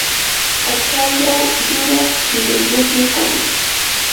achallaw yuraq kiruyuqmi kanki.